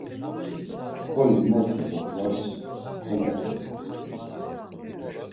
Mǩoli moxtu do ğvas konoxedu.